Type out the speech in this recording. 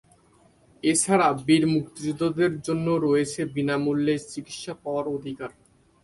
এছাড়া বীর মুক্তিযোদ্ধাদের জন্য রয়েছে বিনামূল্যে চিকিৎসা পাওয়ার অধিকার।